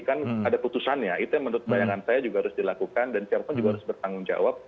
kan ada putusannya itu yang menurut bayangan saya juga harus dilakukan dan siapapun juga harus bertanggung jawab